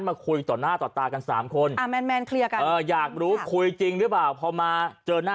มาคุยต่อหน้าต่อตากัน